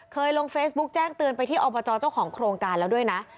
ลงเฟซบุ๊กแจ้งเตือนไปที่อบจเจ้าของโครงการแล้วด้วยนะ